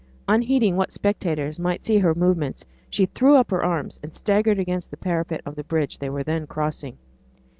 Unheeding what spectators might see her movements, she threw up her arms and staggered against the parapet of the bridge they were then crossing.